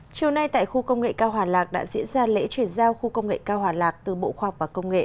chiều nay tại khu công nghệ cao hòa lạc đã diễn ra lễ chuyển giao khu công nghệ cao hòa lạc từ bộ khoa học và công nghệ